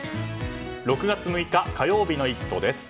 ６月６日、火曜日の「イット！」です。